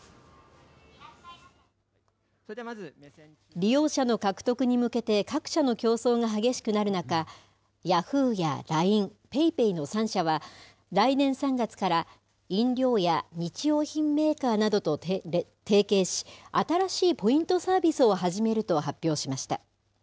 利用者の獲得に向けて各社の競争が激しくなる中、ヤフーやＬＩＮＥ、ＰａｙＰａｙの３社は、来年３月から、飲料や日用品メーカーなどと提携し、新しいポイントサービスを始めると発表しました。